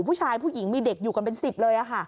ผู้หญิงมีเด็กอยู่กันเป็น๑๐เลย